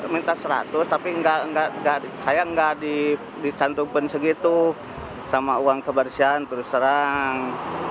minta seratus tapi saya nggak dicantumkan segitu sama uang kebersihan terus terang